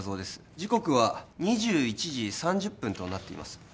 時刻は２１時３０分となっています